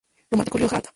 Románico Rioja Alta